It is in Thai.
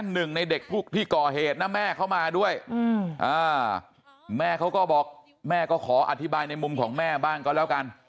หนึ่งในเด็กพวกที่ก่อเหตุนะแม่เขามาด้วยแม่เขาก็บอกแม่ก็ขออธิบายในมุมของแม่บ้างก็แล้วกัน